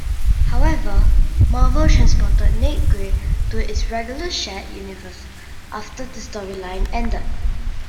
However, Marvel transported Nate Grey to its regular shared universe after the storyline ended.